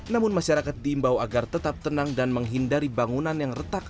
namun masyarakat diimbau agar tetap tenang dan menghindari bangunan yang retak